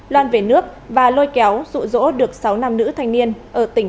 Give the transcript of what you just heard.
loan về nước và lôi kéo rụ rỗ được sáu nhân viên